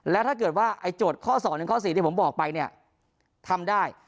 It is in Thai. แล้วถ้าเกิดว่าไอ้จดข้อสองหรือข้อสี่ที่ผมบอกไปเนี่ยทำได้